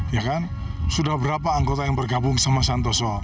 ya kan sudah berapa anggota yang bergabung sama santoso